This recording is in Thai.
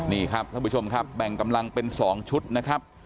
นี่ครับท่านผู้ชมครับแบ่งกำลังเป็น๒ชุดนะครับ